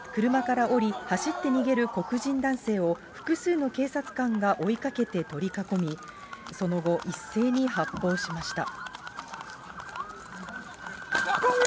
車から降り、走って逃げる黒人男性を、複数の警察官が追いかけて取り囲み、その後、一斉に発砲しました。